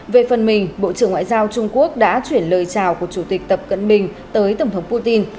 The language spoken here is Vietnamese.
về phần mình bộ trưởng ngoại giao trung quốc đã chuyển lời chào của chủ tịch tập cận bình tới tổng thống putin